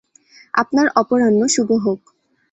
আপনার অপরাহ্ন শুভ হোক।